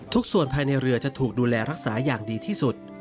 ส่วนภายในเรือจะถูกดูแลรักษาอย่างดีที่สุด